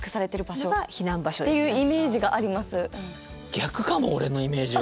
逆かも俺のイメージは。